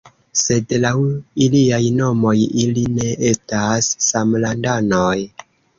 Sed laŭ iliaj nomoj ili ne estas samlandanoj!